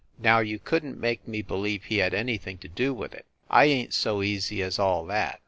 Now you couldn t make me believe he had anything to do with it I ain t so easy as all that.